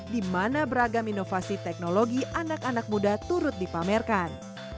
di mana beragam inovasi teknologi anak anak muda turut dipamerkan